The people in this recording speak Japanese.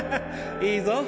いいぞ！